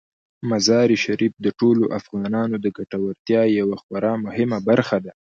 مزارشریف د ټولو افغانانو د ګټورتیا یوه خورا مهمه برخه ده.